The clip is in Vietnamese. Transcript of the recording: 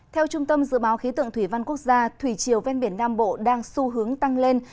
theo trung tâm dự báo khí tượng thủy văn quốc gia thủy chiều ven biển nam bộ đang xu hướng tăng lên